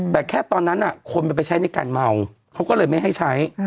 แต่แค่ตอนนั้นคนมันไปใช้ในการเมาเขาก็เลยไม่ให้ใช้